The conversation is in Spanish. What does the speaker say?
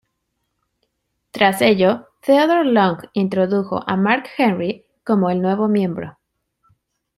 Tras ello, Theodore Long introdujo a Mark Henry como el nuevo miembro.